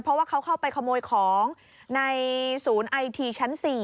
เพราะว่าเขาเข้าไปขโมยของในศูนย์ไอทีชั้น๔